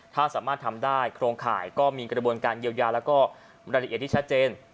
ถ้าสามารถทำได้โครงข่ายก็มีกระบวนการเยียวยาแล้วก็รายละเอียดที่ชัดเจน